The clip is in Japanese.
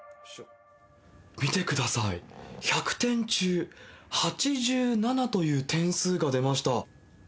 見てください、１００点中、８７という点数が出ました。